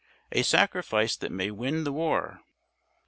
A sacrifice that may win the war."